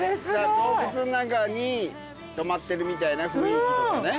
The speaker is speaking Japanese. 洞窟の中に泊まってるみたいな雰囲気とかね。